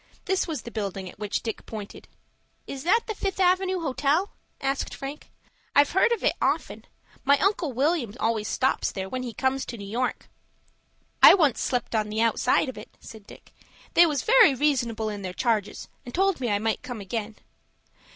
This was the building at which Dick pointed. "Is that the Fifth Avenue Hotel?" asked Frank. "I've heard of it often. My Uncle William always stops there when he comes to New York." "I once slept on the outside of it," said Dick. "They was very reasonable in their charges, and told me I might come again."